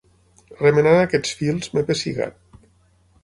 Remenant aquests fils m'he pessigat.